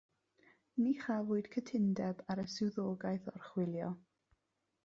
Ni chafwyd cytundeb ar y swyddogaeth oruchwylio.